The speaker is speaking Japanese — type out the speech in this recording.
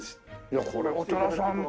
いやこれお寺さん。